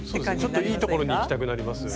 ちょっといいところに行きたくなりますよね。